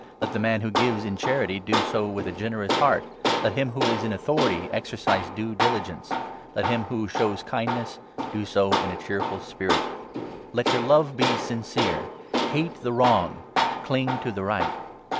8 Let the man who gives in charity do so with a generous heart ; let him who is in authority exercise due diligence ; let him who shows kindness do so in a cheerful spirit. Let 9 your love be sincere. Hate the wrong ; cling to the right.